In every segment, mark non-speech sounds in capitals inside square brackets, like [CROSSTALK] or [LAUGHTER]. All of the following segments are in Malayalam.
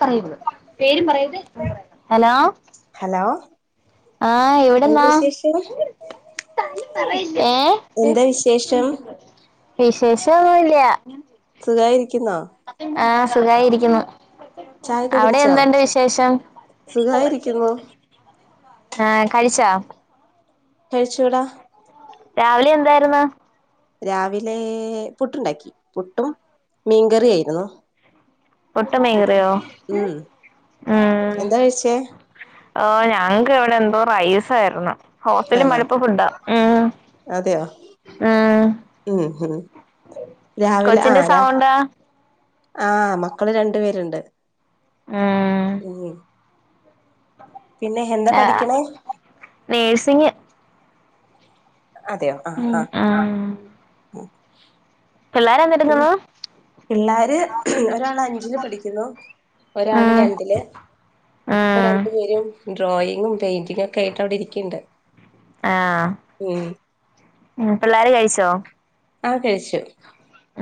പറയരുത് പേരും പറയര്ത് ഹലോ ഹലോ ആഹ് എന്താ എവിടെന്നാ വിശേഷം ഏ എന്താ വിശേഷം വിശേഷ ഒന്നുല്ല സുഖായിരിക്കുന്നോ ആഹ് സുഖായിരിക്കുന്നു ചായൊക്കെ അവിടെ കുടിച്ചോ എന്തണ്ട് വിശേഷം സുഖായിരിക്കുന്നു ആഹ് കഴിച്ചാ കഴിച്ചോട രാവിലെ എന്തായിരുന്ന് രാവിലെ പുട്ടുണ്ടാക്കി പുട്ടും മീൻകറിയായിരുന്നു പുട്ടും ഉം എന്താ കഴിച്ചേ ആ ഞങ്ങ്ക്ക് ഇവിടെ എന്തോ റൈസായിരുന്നു ഹോസ്റ്റലും ആണോ മടുപ്പ് ഫുഡാ ഉം അതെയോ ഉം ഉം ഹ് രാവിലെ ആ കൊച്ചിന്റെ രാ സൗണ്ടാ ആ മക്കള് രണ്ട് പേര്ണ്ട് ഉം പിന്നെ എന്താ ആ പഠിക്കണേ നേഴ്സിങ് അതെയോ ആഹ് ഉം ആഹ് ഉം എന്തെടുക്കുന്നു പിള്ളാര് ഒരാള് അഞ്ചില് പഠിക്കുന്നു ഒരാള് ഉം രണ്ടില് ഇപ്പൊ ഉം രണ്ടു പേരും ഡ്രോയിങ്ങും പെയിന്റിങ്ങെക്കെ ആയിറ്റ് അവ്ടെ ഇരിക്കിണ്ട് ആഹ് പിള്ളേർ കഴിച്ച ആഹ് കഴിച്ചു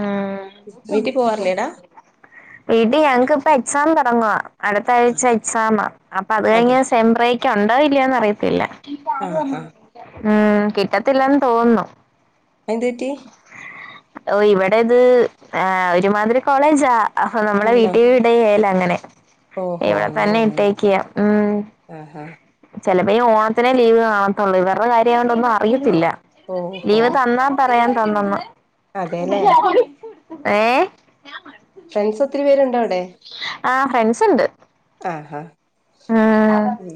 ഉം വീട്ടിൽ പോവാറില്ലേടാ വീട്ടി ഞങ്ങ്ക്ക്‌പ്പ എക്സാം തൊടങ്ങുവാ അടുത്ത ആഴ്ച എക്സാമ അപ്പൊ അത് അതെ കഴിഞ്ഞ സെംബ്രേക്ക് ഒണ്ടോ ഇല്ലയൊന്ന് അറിയത്തില്ല ആ ഹ ഉം കിട്ടത്തില്ലെന്ന് തോന്നു എന്തുപാറ്റി ഓ ഇവിടെ ഇത് ആ ഒരുമാതിരി കോളേജാ അഹ് നമ്മളെ ആണോ വീട്ടി വിടെയെല അങ്ങനെ ഓഹോ ഇവിടെ തന്നെ അങ്ങനെയാണോ ഇട്ടേക്കിയ ഉം ആഹ് ആഹ് ചെലപ്പോ ഈ ഓണത്തിനേ ലീവ് കാണത്തുള്ളൂ ഇവര്ടെ കാര്യ ആയോണ്ട് ഒന്നും അറിയത്തില്ല ഓഹോ ലീവ് തന്നാ പറയാൻ തന്നന്ന് അതെല്ലേ ഏ ടെ ആ ഫ്രണ്ട്സ് ഉണ്ട് ആ ഹാ ഉം മൂ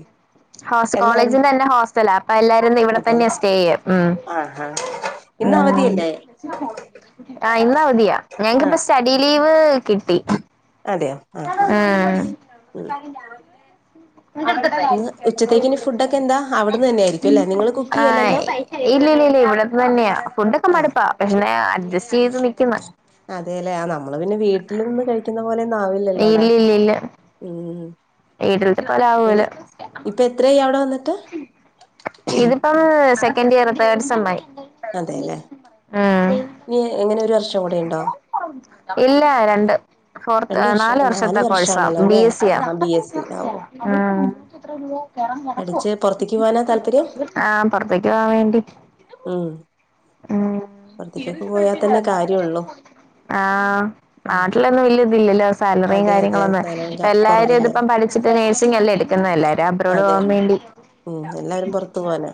ഹോസ് കോളേജിന്റെ താന്നെ ഹോസ്റ്റലാ അപ്പൊ എല്ലാരും ഇന്ന് ഇവിടെ അതെല്ലേ തന്നെയാ സ്റ്റേയ്യ് ഉം ആഹ് ആഹ് ഇന്ന് ഉം അവധിയല്ലേ ആ ഇന്ന അവതിയ ഞങ്‌ക്ക്‌പ്പ ആഹ് സ്റ്റഡി ലീവ് കിട്ടി അതെയോ ആഹ് ആഹ് ഉം ഇന്ന് ഉച്ചത്തേക്ക് ഇനി ഫുഡൊക്കെ എന്താ അവ്ടുന്ന് തന്നെ ആയിരിക്കു അല്ലെ നിങ്ങള് കുക്ക് ചെയ്യ് യ്യല്ലല്ലോ താന്നെയാ ഫുഡൊക്ക മടുപ്പാ പിന്നെ ന്നെയാ അഡ്ജസ്റ്റെയ്ത് നിക്ക്‌ന്ന് അതെലെ ആ നമ്മള് പിന്നെ വീട്ടില് നിന്ന് കഴിക്ക്‌ന്ന അത് പോലെന്നാവില്ലല്ലോടാ ഇല്ലില്ലില്ല ഉം വീട്ടിലത്തെ പോലെ ആകൂല ഇനി ഇപ്പൊ എത്രയായി അവിടെ വന്നിട്ട് ഇതിപ്പം സെക്കൻഡ് ഇയർ തേർഡ് സെമ് ആയി അതെലെ ഇനി ഉം എങ്ങനെ ഒരു വർഷം കൂടെ ഉണ്ടോ ഇല്ല രണ്ട് ഫോർത്ത് രണ്ട് വർഷം നാലു നാല് വർഷത്തെ കോഴ്സ വർഷാണല്ലോ ബി അല്ലെ എസ് ഇ ആ ആഹാ ബി എസ് സി ആവോ [UNINTELLIGIBLE] കേറാൻ കെടക്കുവാ പഠിച്ച് പുറത്തേക്ക് പോകാനാ താല്പര്യം ആ പുറത്തേക്ക് പോവാൻ വേണ്ടി ഉം ഉം പുറത്തേക്കൊക്കെ പോയാൽ തന്നെ കാര്യള്ളൂ ആ ഉം നാട്ടിലൊന്നും വലിയ ഇത് സാലറിയ അതെ അതെ കാര്യങ്ങളൊന്നും സ്ഥലം ക ഇപ്പ എല്ലാരും കുറവല്ലേ ഇതിപ്പം പഠിച്ചിട്ട് നേഴ്സിങ്ങ് അല്ലേ എടുക്കുന്നെ എല്ലാരും എബ്രോട് അതെ പോവാൻ വേണ്ടി ഉം എല്ലാവാരും പുറത്തു പോവാന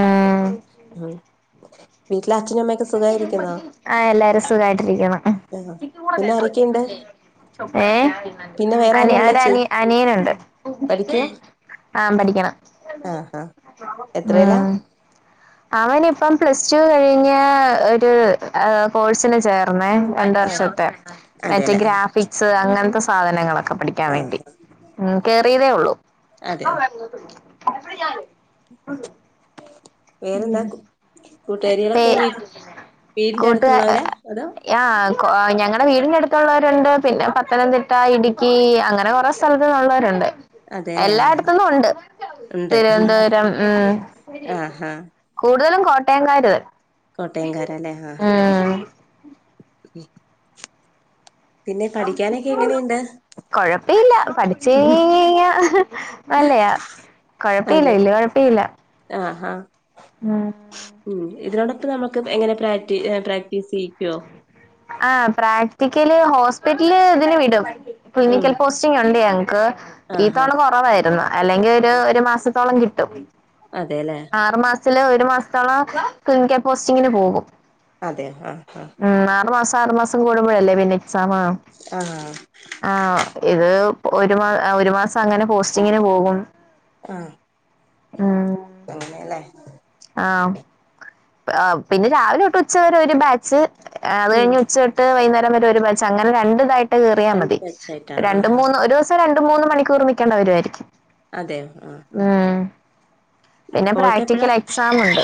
ഉം ഉം വീട്ടിലെ അച്ഛനമ്മക്കെ ആ എല്ലാരും സുഖായിട്ടിരിക്കണ് ആഹ് പിന്നെ ആരൊക്കെയുണ്ട് ഏ പിന്നെ വേറെ ആരാ അനി ഉള്ളെ ചേ അവന് അനിയനുണ്ട് പഠിക്കുവാ ആ പഠിക്കണം ആഹാ എത്രയിലാ ഉം അവനി ഇപ്പം പ്ലസ് ടു കഴിഞ്ഞ് ഒരു കോഴ്സിന് ചേർന്നേ രണ്ട് ആഹ് വർഷത്തെ മറ്റേ അതെല്ലേ ആഹ് ഗ്രാഫിക്സ് അങ്ങനത്തെ സാധനങ്ങളൊക്കെ പഠിക്കാൻ വേണ്ടി ആഹ് ഉം കേറിയതേ ഉള്ളൂ അതെയോ വേറെന്താ കൂ കൂട്ടുകാരികളൊക്കെ വീട് കൂട്ടുക ആ ഞങ്ങളെ വീട് അടുത്തുള്ളവരുണ്ട് പിന്നെ പത്തനംതിട്ട ഇടുക്കി അങ്ങനെ കുറെ സ്ഥലത്ത്ന്നുള്ളവരുണ്ട് അതെല്ലേ ആഹാ എല്ലായിടത്തുന്നും ഉണ്ട് ഉണ്ട് തിരുവന്തോരം ഉം ആഹാ കൂടുതലും കോട്ടയംക്കാര് കോട്ടയംകാരല്ലേ ആഹാ ഉം [UNINTELLIGIBLE] പിന്നെ പഠിക്കാനൊക്കെ എങ്ങനെയ്ണ്ട് കൊഴപ്പയില്ല പഠിച്ച് കയിയിയിഞ്ഞ നല്ലയാ കുഴപ്പ ഇല്ല അതെ വല്ല്യ കുഴപ്പ ഇല്ല ഉം ഇതിനോടക്കെ നമക്ക് എങ്ങനെ പ്രാക്ടി പ്രാക്ടീസ് ചെയ് ആ പ്രാക്ടിക്കല് ഹോസ്പിറ്റല് ഇതിന് വിടും ഉം ക്ലിനിക്കൽ പോസ്റ്റിംഗ് ഉണ്ടേ ഞങ്ങൾക്ക് ഈ ആഹാ തവണ കുറവായിരുന്നു അല്ലെങ്കിൽ ഒരു ഒരു മാസത്തോളം കിട്ടും അതെല്ലേ ആറുമാസത്തില് ഒരു മാസത്തോളം ക്ലിനിക്കൽ പോസ്റ്റിങ്ങിന് പോകും അതെ ആ ഉം ആറുമാസം ആറുമാസം കൂടുമ്പോഴല്ലേ പിന്നെ സമം ആഹ് ആ ഇത് ഒരു ഒരു മാസം അങ്ങനെ പോസ്റ്റിങ്ങിന് പോകും ആ അങ്ങനെയല്ലേ ആ പിന്നെ രാവിലൊട്ട് ഉച്ചവരെ ഒരു ബാച്ച് അത് ഉം കഴിഞ്ഞ് ഉച്ച തൊട്ട് വൈകുന്നേരം വരെ ഒരു ബാച്ച് അങ്ങനെ രണ്ട്തായിട്ട് കേറിയാ രണ്ട് മതി ബാച്ചായിട്ടാണോ രണ്ട് ആഹാ മൂന്ന് ഒരു ദിവസം രണ്ട് മൂന്ന് മണിക്കൂർ നിക്കേണ്ടവരുവായിരിക്കും അതെ ആ പിന്നെ പ്രാക്ടിക്കൽ എക്സാം ണ്ട്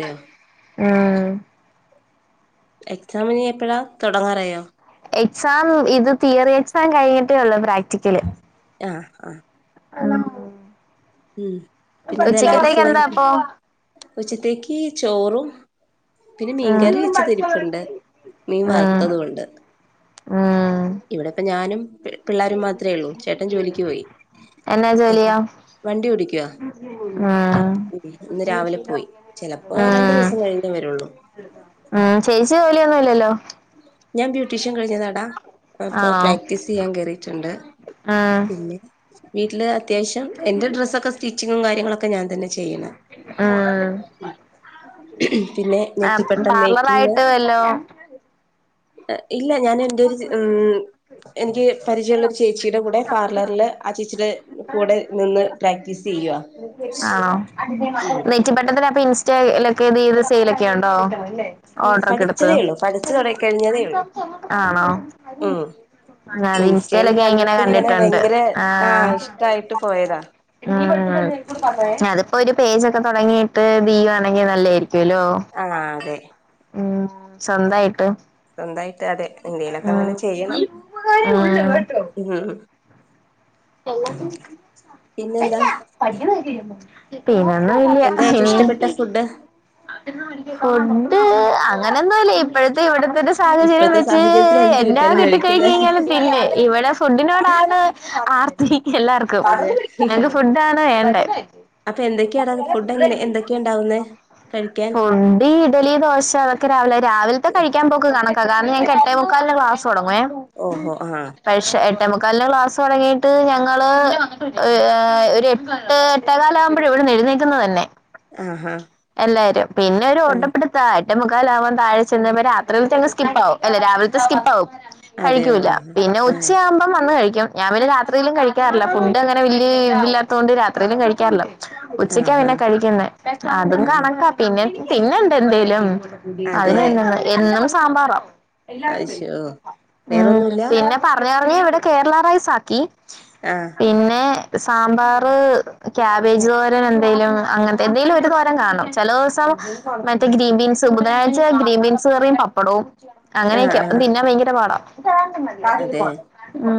[INAUDIBLE] എക്സാമ് ഇനി എപ്പഴാ തുടങ്ങാറായോ എക്സാം ഇത് തിയറി എക്സാം കഴിഞ്ഞിട്ടേ ഉള്ളൂ പ്രാക്ടിക്കല് ആ ആ ഹലോ ഉം പിന്നെ എന്താല്ലാവരും സുകായ്രിക്ക്‌ന്ന് അപ്പൊ ഉച്ചത്തേക്ക് ചോറും പിന്നെ മീൻ ഉം കറി വച്ചതിരിപ്പ്ണ്ട് മീൻ ഉം വറ്ത്തതൊണ്ട് ഉം ഇവിടെ ഇപ്പ ഞാനും പിള്ളേരും മാത്ര ഉള്ളൂ ചേട്ടൻ ജോലിക്ക് പോയി എന്നാ ജോലിയാ വണ്ടി ഓടിക്യാഅ ഉം ഇന്ന് രാവിലെ പോയി ചിലപ്പോ രണ്ടു ദിവസം കഴിഞ്ട്ട് വരുള്ളൂ ആ ചേച്ചി ജോലിയൊന്നുല്ലല്ലോ ഞാൻ ബ്യൂട്ടീഷ്യൻ കഴിഞ്ഞതാടാ അപ്പൊപ്പ ആണോ പ്രാക്ടീസ് ചെയ്യാൻ കേറിട്ടുണ്ട് ഉം പിന്നെ വീട്ടില് അത്യാശം എന്റെ ഡ്രസ്സൊക്കെ സ്റ്റിച്ചിങ്ങുംകാര്യങ്ങളൊക്കെ ഞൻ തന്നെ ചെയ്യണ ഉം പിന്നെ ആ നെറ്റിപ്പട്ടം മേക്കിങ് പാർലറയിട്ട് വല്ലോ ഇല്ല ഞാൻ എന്റെ ഒരു ഉ എനിക്ക് പരിചയുള്ള ഒരു ചേച്ചിടെ കൂടെ പാർലറിൽ ആ ചേച്ചിടെ കൂടെ നിന്ന് പ്രാക്ടീസ് ചെയ്യവാ ആണോ നെറ്റി പട്ടത്തി അപ്പൊ ഇൻസ്റ്റയിലൊക്കെ ഇത് സെയിലൊക്കെ ഉണ്ടോ ഉം ഓർഡർക്കെ എടുത്ത് പഠിച്ചതേ ഉള്ളൂ പഠിച്ചു തുടങ്ങി കഴിഞ്ഞതേ ഉള്ളൂ ആണോ ഉം അത് ഇൻസ്റ്റയില് ഇൻസ്റ്റയിലൊക്കെ ഇങ്ങനെ കണ്ടിട്ട് കണ്ടിട്ടുണ്ട് ആ പോയത ഉ അതിപ്പോ ഒരു പേജൊക്കെ തുടങ്ങിയിട്ട് ബീവാണെങ്കിൽ നല്ലയിരിക്കും ആന്ന അതെ ഉം സ്വന്തയിട്ട് സ്വന്തായിട്ട് അതെ എന്തെയിലൊക്കെ അങ്ങനെ ചെയ്യണം ഉ പിന്നെ പിന്നെന്താ ഒന്നു ഇല്ല എന്താ ഏറ്റവും ഇഷ്ടപ്പെട്ട ഫുഡ് [UNINTELLIGIBLE] ഉം അങ്ങനെഒന്നുല്ല ഇപ്പോഴത്തെ ഇവിടെ ഇപത്തെ സാഹചര്യം ഇപ്പോഴത്തെ വെച്ച് സാഹചര്യത്തിൽ എന്ത് എന്നാ കിട്ടിയാലും കിട്ടി കഴിഞ് കഴിക്കില്ലേ കഴിഞ്ഞാലും തിന്ന് പിന്നെ ഇവിടെ ഫുഡിനോടാണ് ആർ എല്ലാർക്കും അതെ ഞങ്ങക്ക് ഫുഡാണ് വേണ്ടെ അപ്പൊ എന്തൊക്കെയാടാ ഫുഡ് എങ്ങനെ എന്തൊക്കെയാ ഉണ്ടാവുന്നേ കഴിക്കാൻ ഫുണ്ട് ഇഡലി ദോശ ഒക്കെ രാവിലെ രാവിലത്തെ കഴിക്കാൻ പോക്ക് കണക്ക കാരണം ഞങ്ങക്ക് എട്ടേ മുക്കാല്ല ക്ലസ് തുടങ്ങുവേ ഓഹോ ആ കല്ല ക്ലാസ് തുടങ്ങി ട്ട് ഞങ്ങള് ഒരു എട്ട് എട്ട കാല ആകുമ്പോഴും ഇവിടെ എഴുന്നേക്കുന്നത് തന്നെ ആഹാ എല്ലാരും പിന്നെ ഒരു ആഹ് ഒഓട്ടപ്പെടുത്താ ഏറ്റ മുഖാല ആവാൻ താഴെ ചെന്ന രാത്രികൽങ്ങ് സ്കിപ്പ് ആകും അല്ല രാവിലത്തെ സ്കിപ്പ് ആകും അതെയോ കഴിക്കൂല്ല ആഹ് പിന്നെ ആഹ് ഉച്ചയാകുമ്പം വന്ന് കഴിക്കും ഞാന് ന്നേ രാത്രിയിലും കഴിക്കാറില്ല ഫുഡ്ങ്ങനെ വലിയ ഇതില്ലാത്തുകൊണ്ട് രാത്രിയിലും കഴിക്കാറില്ലോ ഉച്ചക്കാ ആഹാ പിന്നെ കഴിക്കുന്നെ അതും ആഹ് കണക്കാ പിന്നെ പിന്നെ എന്ത എന്തേലും അതിന അതെ എന്നും സാമ്പാറാ അയ്ശോ ഉ വേറൊന്നുല്ല പിന്നെ പറഞ്ഞഞ്ഞ ഇവിടെ കേരള റൈസ ആക്കി ആഹ് പിന്നെ സ മ്പാറു, കാബേജ് തോരൻ എന്തേലും എന്തേ തോരം കാണും ചില ദിവസം മറ്റേ ഗ്രീൻ ബീൻസ് ബുധനാഴ്ച ഗ്രീൻ ബീൻസ് കറയും പപ്പടവും ആഹ് അങ്ങനെയൊക്ക ആഹ് തിന്ന ഭയങ്കര പാടാം അതെ ഉ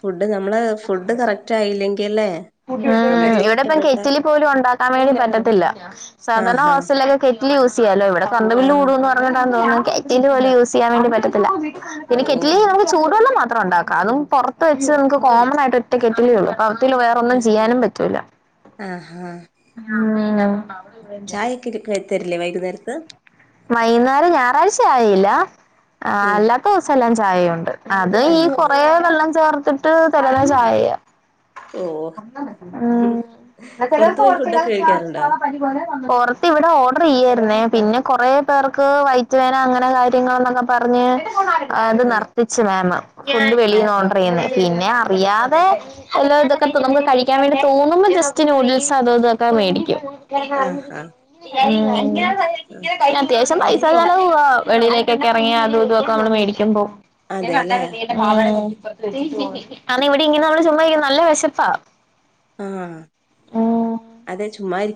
ഫുഡ് നമ്മള് ഫുഡ് കറക്റ്റ് ആയില്ലെങ്കിൽ ഉ ഇവിടെ ഇപ്പം കെറ്റിലി പോലും ഉണ്ടാക്കാൻ വേണ്ടി പറ്റത്തില്ല സാധാരണ ആഹാ ഹോസ്റ്റലൊക്കെ കെ യൂസ് ചെയ്യാലോ ഇവിടെ കരണ്ട് ബില്ല് ആഹ് കൂടുഎന്ന് പറഞ്ഞിട്ടാ തോന്ന കറ്റന്റെ പോല യസ് ചെയ്യാൻ വേി പറ്റ പിന്നെ കെറ്റിലി ഓഹ് നമുക്ക് ചൂടുള്ളത്രം മാത്രം ഉണ്ടാകാം അതും പുറത്ത് വച്ച് നമ്മുക്ക് ഒറ്റ കെറ്റിൽ ഒള്ളു ഒന്നും ചെയാനും പറ്റ ആഹാ ചായക്കെ തരില്ലേ വൈകുന്നേരത്ത് വൈകുന്നേരം ഞായറാഴ് ചായയില്ല ആ ഉം അല്ലാത്ത ദിവസം എല്ലാം ചായുണ്ട് അത് ഈ ആഹാ കൊറെ വെള്ളം ചേർത്തിട്ട് തരല ചായ ഓഹ് എന്ന പുറത്തു ചിലപ്പോ പോയി ഫുഡൊക്കെ കഴിക്കാറുണ്ടോ പരിപലെ [UNINTELLIGIBLE] പുറത്ത് ഇവിടെ ഓർഡർ ചെയ്യായിരുന്നേ പിന്നെ കൊറ പേർക്ക് വൈറ്റവേന അങ്ങനെ കാര്യങ്ങളന്നൊക്കെ പറഞ്ഞ് അത് ആഹ് നർത്തിച്ചു മാം ഫുഡ് വെളിന്ന് ആഹാ ഓർഡർ ചെയ്യുന്നേ പിന്നെ അറിയാതെല്ല ഇതൊക്കെ നമുക്ക് കഴിക്കാൻ വേണ്ടി തോന്നുമ്പോ ജസ്റ്റ് നൂഡിൽസ് അതോ ഇതൊക്കെ മേടിക്കും ആഹാ ആ, അത്വശം പൈസ അവിടുന്ന് പൊറ ചെലവും ആ [UNINTELLIGIBLE] ക്കെ ഇറങ്ങ അതും ഇതൊക്കെ നമ്മള് മേടിക്കുമ്പോ അതെല്ലേ ആ ഇവിടെ ഇങ്ങനെ നമ്മള് ചുമ്മാക്ക നല്ല വിശപ്പാ ആഹ അതെ ചുമക്ക [UNINTELLIGIBLE]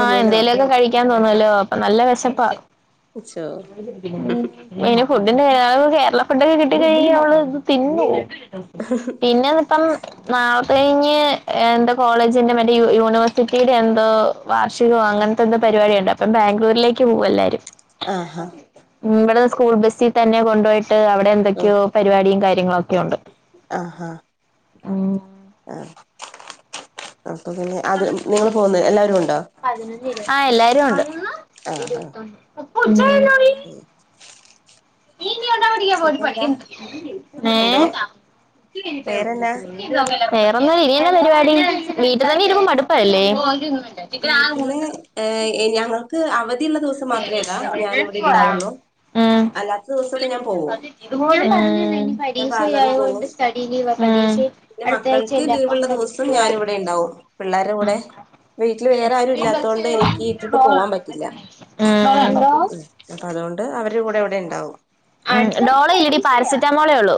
ആഹ എന്തേലൊക്കെ കഴിക്കാൻ തോന്നല്ലോ അപ്പൊ നല്ല വിശപ്പാ ശോ ഇന് ഫുഡ്താണ് കേരളം [UNINTELLIGIBLE] ഫുഡ്‌യൊക്കെ കിട്ട കഴിഞ്ഞ അവ ഇത് തിന്നു പിന്നെപ്പം ന കഴിഞ്ഞ് എന്താ കോളേജിന്റെ മറ്റ യ യൂണിവേഴ്സിറ്റിയുടെ എന്തോ വാർഷികോ അങ്ങനത്തെന്ത പരിപാടിയണ്ട്പ്പ ബാംഗ്ലൂരിലേക്ക് പോകും എല്ലരും ആഹാ ഇവിടെ സ്കൂൾ ബസിൽ തന്നെ കൊണ്ടുപോയിട്ട് അവിടെ എന്തൊക്കെയോ പരിപാടി കാ കാര്യങ്ങളൊക്കെ ഉണ്ട് ആ ഹ ആ ആ അപ്പൊ പിന്നെ അത് നിങ്ങള് പോന്ന എല്ലാവാരും ഉണ്ടോ ആഹാ പജ [UNINTELLIGIBLE] പ പിന്നെന്താ എന്തോ വേറെന്നാ [UNINTELLIGIBLE] വേറെൊന്ന ഇനന്ന പരിപാടി വീട്ടിൽ തന്നെ ഇരുമ്പ മടുപ്പല്ലേ [UNINTELLIGIBLE] വീട്ടില് ഞങ്ങൾക്ക് അവ ശ പോവാ [UNINTELLIGIBLE] അല്ലാത്ത ദിവസൊക്കെ ഞാൻ പോവും ആ ഞാൻ പരീക്ഷ പാർലറിൽ പോവും ആയണ്ട് സ്റ്റഡി ലീവ് ആ [UNINTELLIGIBLE] പിന്നെ അടുത്ത മക്കൾക്ക് ആഴ്ചല്ലേ അപ്പം ലീവുള്ള ദിവസം പഠിചിട്ട് പോയാ ഞാനിവിടെ മതി ഉണ്ടാവും പിള്ളേരുടെ കൂടെ വീട്ടിൽ വേറെ ആരും ഇല്ലാത്തോണ്ട് എനിക്ക് ഇട്ടിട്ട് ഡോള പോവാൻ പ പറ്റില്ല [UNINTELLIGIBLE] ഉം അപ്പൊ അതുകൊണ്ട് അവരുടെ കൂടെ ഇവിടെ ഉണ്ടാവും ഉം ഡോള ഇടി പാരസറ്റ [UNINTELLIGIBLE] റ്റ മോളേ ഒള്ളൂ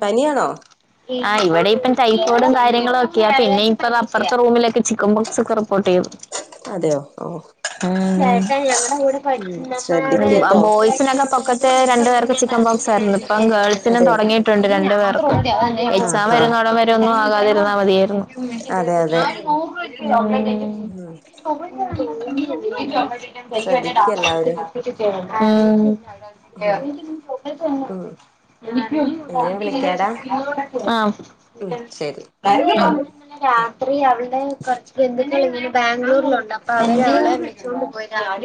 പനി യാന്നോ ആഹ് ഇവടെ ഇപ്പം ടൈഫോഡും കാര്യങ്ങളും ഒക്കെയ പിന്നെ ഇപ്പ അപ്പറത്തെ റൂമിലൊക്കെ ചിക്കൻ ബോക്സ്റ കോട്ടയം അതെയോ ഓ ഉം ഉം [UNINTELLIGIBLE] ക ശ്രദ്ധിക്കട്ടോ ബോയ്സിനൊക്കെ പക്കത്തെ [UNINTELLIGIBLE] രണ്ട് പേർക്ക ചിക്കൻ ബോക്സായിരു ഇപ്പം ഗേൾസിനും അതെ തൊടങ്ങിയിട്ടുണ്ട് രണ്ട് പേർക്കും [UNINTELLIGIBLE] അതെ ആഹ് എക്സാം ആഹ് വരുന്നോടം വരു ന്നും ആകാതിരുന്നാ മതിയേരുന്നു അതെ അതെ [UNINTELLIGIBLE] ഉം ശ്രദ്ധിക്ക എല്ലാവരും ഉം ഉം [UNINTELLIGIBLE] ആഹ് തന്ന എന്നാ ഞാൻ വിളിക്കാടാ [UNINTELLIGIBLE] ആഹ് ഉം ശരി രാത്രി [UNINTELLIGIBLE] അവിടെ [UNINTELLIGIBLE] ബാംഗ്ലൂരിലുണ്ട് അപ്പ അങ്ങനെ അവളെ വിളിച്ചോണ്ട് പോയ ആള